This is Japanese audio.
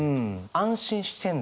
安心してんだ。